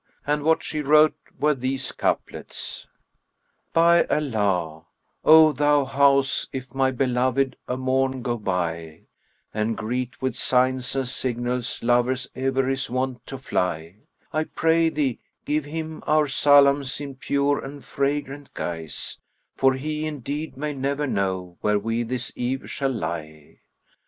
And what she wrote were these couplets, "By Allah, O thou house, if my beloved a morn go by, * And greet with signs and signals lover e'er is wont to fly, I pray thee give him our salams in pure and fragrant guise, * For he indeed may never know where we this eve shall lie.